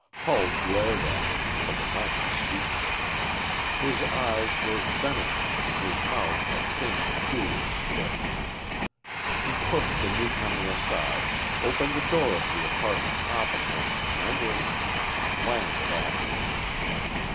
Hull glared at him, for the moment speechless. His eyes were venomous, his mouth a thin, cruel slit. He pushed the newcomer aside, opened the door of the apartment opposite, went in, and slammed it after him.